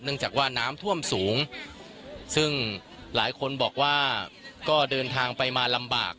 จากว่าน้ำท่วมสูงซึ่งหลายคนบอกว่าก็เดินทางไปมาลำบาก